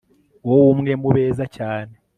wowe umwe mu beza cyane